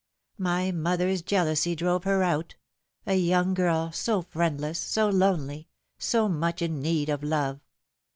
My mother's jealousy drove her out a young girl, so friendless, so lonely, so much in need of love.